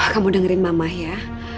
kamu dengerin mama ya